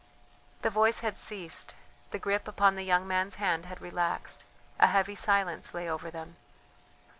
The voice had ceased; the grip upon the young man's hand had relaxed, a heavy silence lay over them.